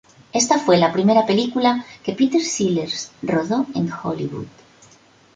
Esta fue la primera película que Peter Sellers rodó en Hollywood.